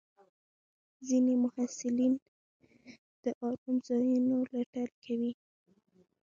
ځینې محصلین د ارام ځایونو لټه کوي.